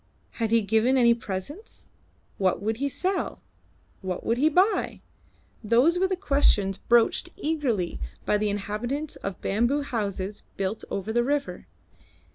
Had he given any presents? What would he sell? What would he buy? Those were the questions broached eagerly by the inhabitants of bamboo houses built over the river.